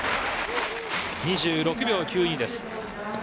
２６秒９２です。